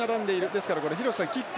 ですから、廣瀬さん、キック。